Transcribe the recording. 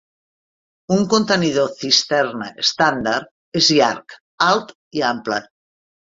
Un contenidor cisterna estàndard és llarg, alt i ample.